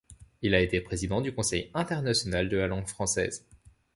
Il a été président du Conseil international de la langue française.